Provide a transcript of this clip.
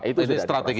itu sudah diproses